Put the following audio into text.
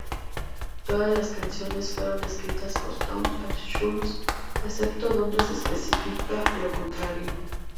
Todas las canciones fueron escritas por Tom Scholz, excepto donde se especifica lo contrario.